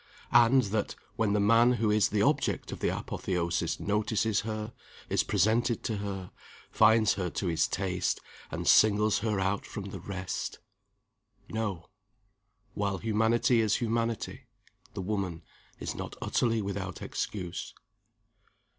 and that, when the man who is the object of the apotheosis, notices her, is presented to her, finds her to his taste, and singles her out from the rest? No. While humanity is humanity, the woman is not utterly without excuse.